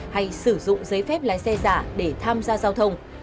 hay sử dụng giấy phép lái xe giả để tham gia giao thông